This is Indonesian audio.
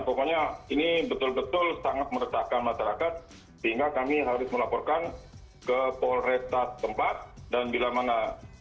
pokoknya ini betul betul sangat meresahkan masyarakat sehingga kami harus melaporkan ke polresta tempat dan bila mana